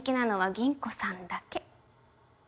銀子さんだけ。